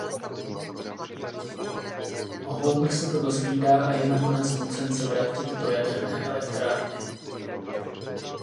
Homer se to dozvídá a je nakonec nucen se vrátit do jaderné elektrárny.